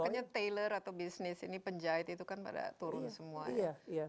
makanya tailor atau bisnis ini penjahit itu kan pada turun semuanya